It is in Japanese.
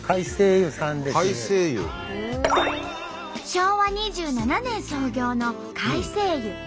昭和２７年創業の改正湯。